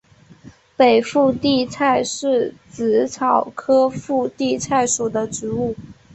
北附地菜是紫草科附地菜属的植物。